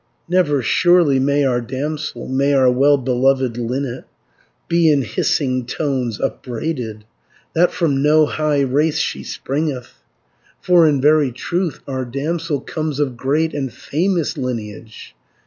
"Never surely, may our damsel, May our well beloved linnet, Be in hissing tones upbraided, That from no high race she springeth; 180 For in very truth our damsel Comes of great and famous lineage.